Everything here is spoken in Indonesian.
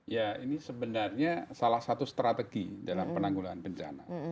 ya ini sebenarnya salah satu strategi dalam penanggulangan bencana